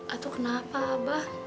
aduh kenapa abah